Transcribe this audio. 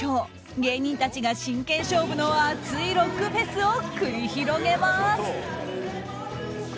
芸人たちが真剣勝負の熱いロックフェスを繰り広げます。